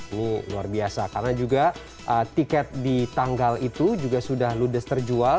ini luar biasa karena juga tiket di tanggal itu juga sudah ludes terjual